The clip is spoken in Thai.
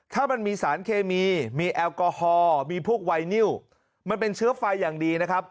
ถ้ามันมีสารเคมีมีแอลกอฮอล์มีพวกไวนิวมันเป็นเชื้อไฟอย่างดีนะครับ